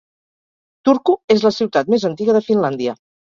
Turku és la ciutat més antiga de Finlàndia.